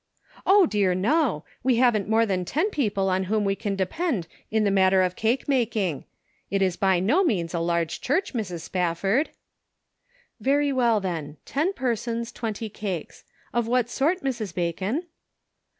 " Oh, dear, no ! We haven't more than ten people on whom we can depend in the matter of cake making. It is by no means a large church, Mrs. Spafford." " Very well ; ten persons, twenty cakes. Of what sort, Mrs. Bacon?"